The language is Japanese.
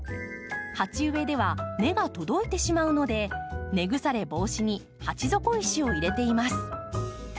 鉢植えでは根が届いてしまうので根腐れ防止に鉢底石を入れています。